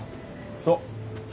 そう。